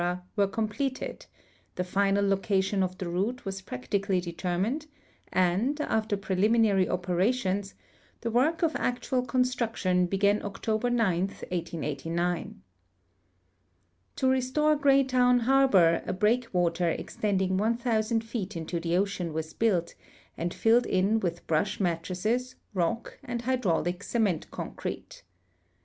were com])letcd, the final location of the route was jiractically determined, and, after jn eliminary oi)crations, the work of actual construction began October 9, 1889. To restore Greytown harbor a break water extending 1,000 feet into tbe ocean was built and lilled in with hrush mattresses, rock, and hydraulic cement concrete.